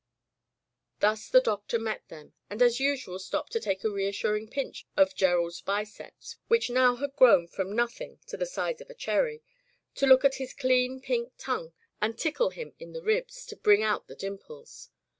'* Thus the Doctor met them, and as usual stopped to take a reassuring pinch of Ger ald's biceps, which now had grown from nothing to the size of a cherry, to look at his clean, pink tongue, and tickle him in the ribs to bring out the dimples.